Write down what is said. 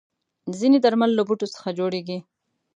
ځینې درمل له بوټو څخه جوړېږي.